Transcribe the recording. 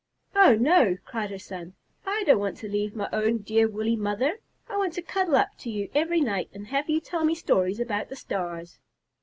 "Oh, no!" cried her son. "I don't want to leave my own dear woolly mother! I want to cuddle up to you every night and have you tell me stories about the stars."